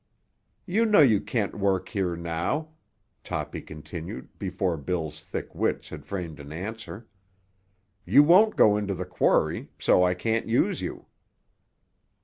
"You know you can't work here now," Toppy continued before Bill's thick wits had framed an answer. "You won't go into the quarry, so I can't use you."